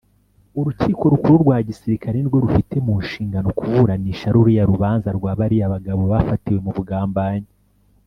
Urukiko Rukuru rwa Gisirikare nirwo rufite munshingano kuburanisha ruriya rubanza rwabariya bagabo bafatiwe mubugambanyi.